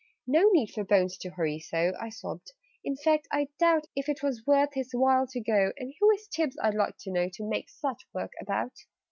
"No need for Bones to hurry so!" I sobbed. "In fact, I doubt If it was worth his while to go And who is Tibbs, I'd like to know, To make such work about?